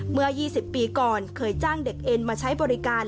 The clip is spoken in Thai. เมื่อ๒๐ปีก่อนเคยจ้างเด็กเอ็นมาใช้บริการ